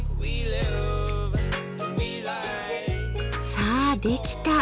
さあできた。